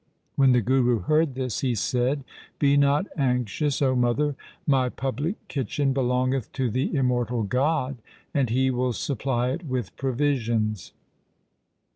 When the Guru heard this, he said, ' Be not anxious, O mother, my public kitchen belongeth to the im mortal God, and He will supply it with provisions.'